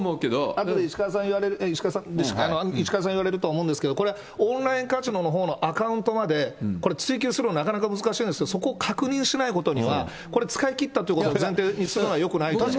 あとで、石川さん言われると思うんですけど、これ、オンラインカジノのほうのアカウントまでこれ、追及するのなかなか難しいんですけど、そこを確認しないことには、使い切ったということを前提にするのはよくないと思う。